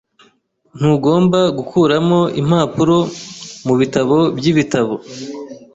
Ntugomba gukuramo impapuro mubitabo byibitabo.